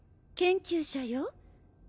研究者よ。